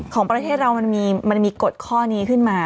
ของประเทศเรามันมีกฎข้อนี้ขึ้นมา